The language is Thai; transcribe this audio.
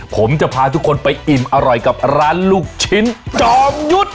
ผมจะพาทุกคนไปอิ่มอร่อยกับร้านลูกชิ้นจอมยุทธ์